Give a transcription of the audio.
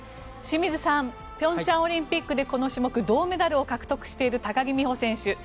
清水さん平昌オリンピックでこの種目銅メダルを獲得している高木美帆選手。